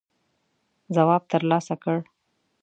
ځواب تر لاسه کړ.